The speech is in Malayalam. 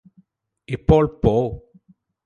ഇപ്പോൾ പോ